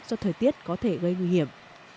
do thời tiết có thể gây nguy hiểm